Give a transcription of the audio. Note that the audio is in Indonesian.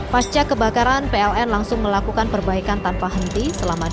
pasca kebakaran pln langsung melakukan perbaikan tanpa henti selama dua jam